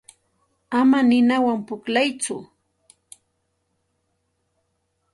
Ama ninawan pukllatsu.